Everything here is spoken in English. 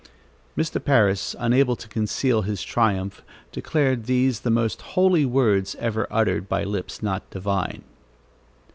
Mr. Parris, unable to conceal his triumph, declared these the most holy words ever uttered by lips not divine.